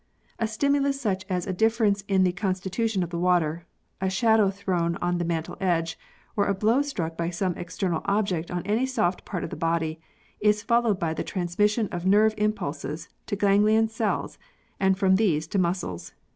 A stimulus such as a difference in the constitution of the water, a shadow thrown on the mantle edge, or a blow struck by some external object on any soft part of the body, is followed by the transmission of nerve impulses to ganglion cells and from these to muscles.